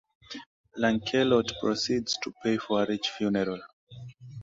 Lancelot proceeds to pay for a rich funeral.